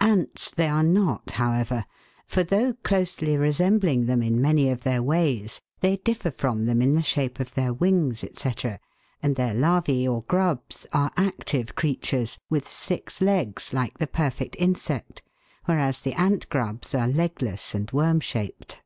Ants they are not, however, for though, closely resem bling them in many of their ways, they differ from them in the shape of their wings, &c., and their larvae, or grubs, are active creatures, with six legs like the perfect insect, whereas the ant grubs are legless and worm shaped.